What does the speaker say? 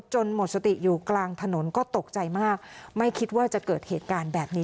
เหมือนเขาไม่คิดที่จะทำแล้วอ่ะ